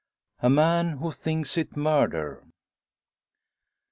A MAN WHO THINKS IT MURDER.